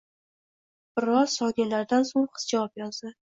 Biroz soniyalardan so’ng qiz javob yozdi.